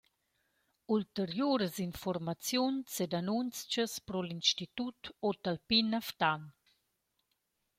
Ulteriuras infuormaziuns ed annunzchas pro l’Institut Otalpin a Ftan.